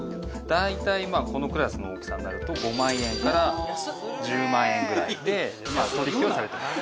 大体まあこのクラスの大きさになると５万円から１０万円ぐらいで取り引きはされてます